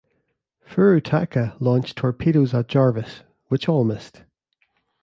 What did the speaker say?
"Furutaka" launched torpedoes at "Jarvis", which all missed.